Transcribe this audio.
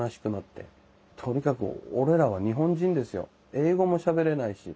英語もしゃべれないし。